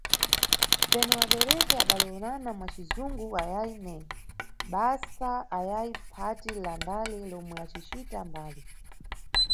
Penu abereki adalowonana mwa cizungu ayayi neye, basa ayayi phati la ndale lomwe anicita mbali.